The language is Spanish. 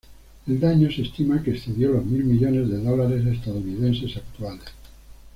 El daño se estima que excedió los mil millones de dólares estadounidenses actuales.